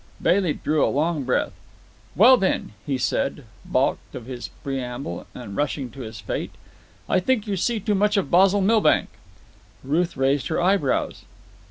Bailey drew a long breath. "Well, then," he said, baulked of his preamble, and rushing on his fate, "I think you see too much of Basil Milbank." Ruth raised her eyebrows.